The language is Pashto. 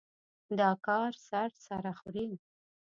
دا کار سر سره خوري.